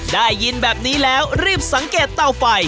ได้ยินแบบนี้แล้วรีบสังเกตเตาไฟ